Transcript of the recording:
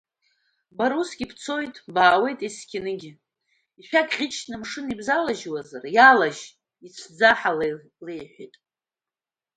Бара, усгьы уа бцот, баауот есқьынгьы, ишәақь ӷьычны амшын ибзалажьуазар, иалажь, ицәӡа, ҳа леиҳәит.